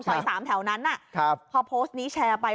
ซอย๓แถวนั้นพอโพสต์นี้แชร์ไป